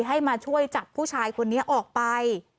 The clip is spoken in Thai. ให้มาช่วยจับผู้ชายคนนี้ออกไป